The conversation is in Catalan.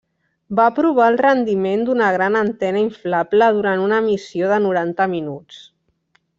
Va provar el rendiment d'una gran antena inflable durant una missió de noranta minuts.